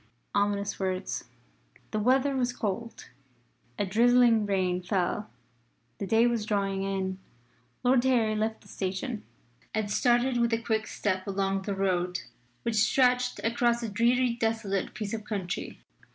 Ominous words. The weather was cold; a drizzling rain fell; the day was drawing in. Lord Harry left the station, and started with quick step along the road, which stretched across a dreary desolate piece of country.